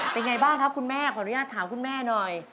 เป็นไงบ้างครับคุณแม่ขออนุญาตถามคุณแม่หน่อย